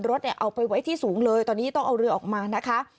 เอาไปไว้ที่สูงเลยตอนนี้ต้องเอาเรือออกมานะคะ